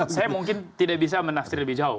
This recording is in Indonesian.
saya mungkin tidak bisa menafsir lebih jauh